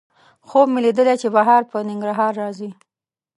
خوب مې لیدلی چې بهار په ننګرهار راځي